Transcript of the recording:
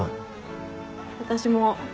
私も。